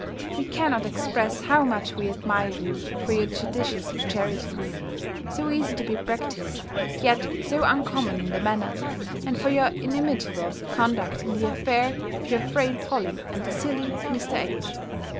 We cannot express how much we admire you for your judicious charities, so easy to be practised, yet so uncommon in the manner, and for your inimitable conduct in the affair of your frail Polly and the silly Mr. H.